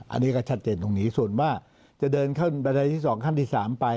อันนี้ก็ชัดเจนตรงนี้ส่วนว่าจะเดินขึ้นบันไดที่๒ขั้นที่๓ไป